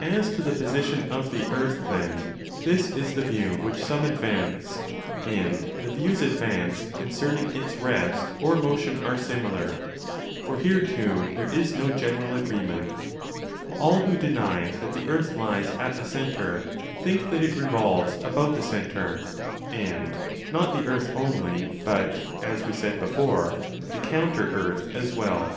As to the position of the earth, then, this is the view which some advance, and the views advanced concerning its vest or motion are similar. For here too there is no general agreement. All who deny that the earth lies at 1 ὄνομα is omitted by FH MJ, but is probably right. BOOK II. 13 293" the centre think that it revolves about the centre,' and not the earth only but, as we said before, the counter earth as 20 well.